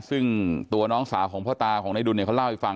ซึ่งตัวน้องสาวของพ่อตาของนายดุลเนี่ยเขาเล่าให้ฟัง